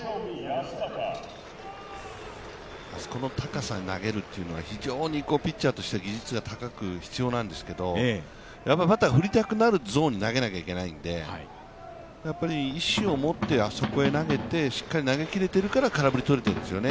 あそこの高さ投げるというのは、非常にピッチャーとしては技術が高く必要なんですけど、バッターが振りたくなるゾーンに投げないといけないのでやっぱり意思を持ってあそこに投げて、しっかり投げ切れているから空振りがとれているんですよね。